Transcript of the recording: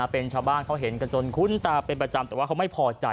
เป็นชาวบ้านเขาเห็นกันจนคุ้นตาเป็นประจำแต่ว่าเขาไม่พอใจ